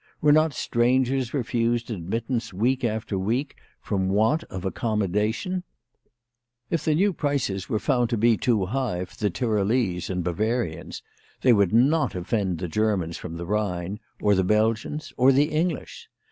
Were not strangers refused admittance week after week from want of accommodation ? If the new prices were found to be 20 WHY FRAU FROHMANN RAISED HER PRICES. too high for the Tyrolese and Bavarians, they would not offend the Germans from the Ehine, or the Belgians, or the English.